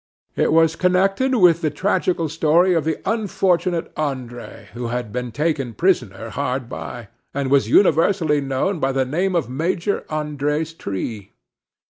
It was connected with the tragical story of the unfortunate André, who had been taken prisoner hard by; and was universally known by the name of Major André's tree.